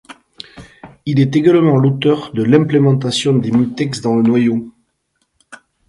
Il est également l'auteur de l'implémentation des mutex dans le noyau.